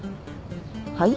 はい？